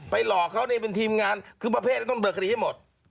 หลอกเขาเป็นทีมงานคือประเภทต้องเบิกคดีให้หมด